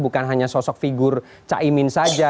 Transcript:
bukan hanya sosok figur caimin saja